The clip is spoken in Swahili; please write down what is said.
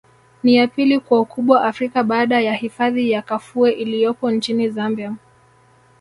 Ni ya pili kwa ukubwa Afrika baada ya hifadhi ya Kafue iliyopo nchini Zambia